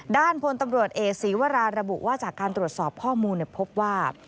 ด้านพลตำรวจเอกศีวราระบุว่าจากการตรวจสอบข้อมูลพบว่า